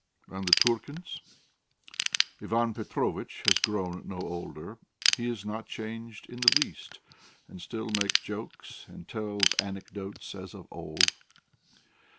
And the Turkins? Ivan Petrovitch has grown no older; he is not changed in the least, and still makes jokes and tells anecdotes as of old.